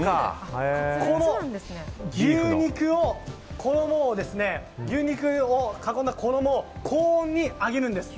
この牛肉を、衣を牛肉を囲んだ衣を高温に揚げるんです。